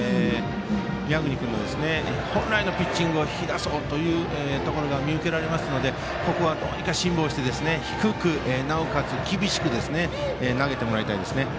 宮國君の本来のピッチングを引き出そうというところが見受けられますのでここは、どうにか辛抱して低くなおかつ厳しく投げてもらいたいですね。